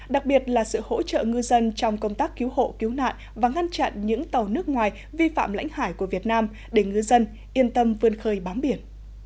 đặc biệt là sự hỗ trợ ngư dân trong công tác cứu hộ cứu nạn và ngăn chặn những tàu nước ngoài vi phạm lãnh hải của việt nam để ngư dân yên tâm vươn khơi bám biển